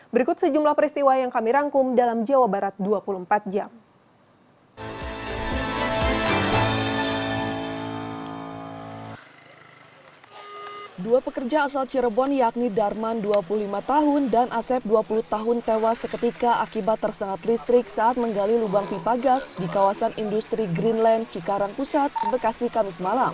berikut sejumlah peristiwa yang kami rangkum dalam jawa barat dua puluh empat jam